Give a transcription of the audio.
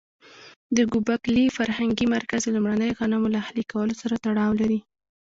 د ګوبک لي فرهنګي مرکز د لومړنیو غنمو له اهلي کولو سره تړاو لري.